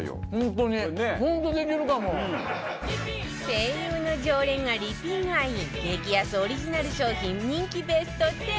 ＳＥＩＹＵ の常連がリピ買い激安オリジナル商品人気ベスト１０